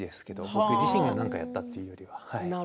僕自身が何かやったというよりは。